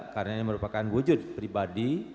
karena ini merupakan wujud pribadi